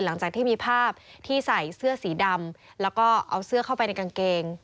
หลังจากที่มีภาพที่ใส่เสื้อสีดำแล้วก็เอาเสื้อเข้าไปในกางเกง